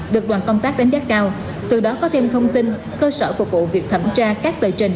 được đoàn công tác đánh giá cao từ đó có thêm thông tin cơ sở phục vụ việc thẩm tra các tờ trình